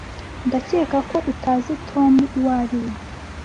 Ndakeka ko utazi Tom uwo ari we.